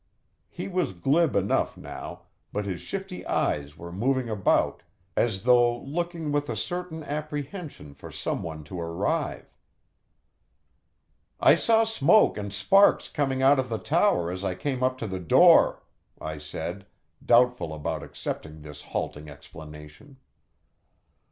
He was glib enough now, but his shifty eyes were moving about, as though looking with a certain apprehension for someone to arrive. "I saw smoke and sparks coming out of the tower as I came up to the door," I said, doubtful about accepting this halting explanation.